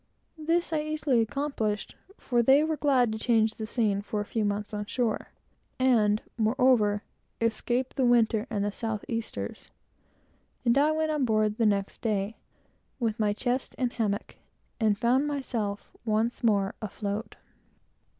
This, I easily accomplished, for they were glad to change the scene by a few months on shore, and, moreover, escape the winter and the south easters; and I went on board the next day, with my chest and hammock, and found myself once more afloat.